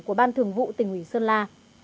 của ban thường vụ tỉnh ủy sơn la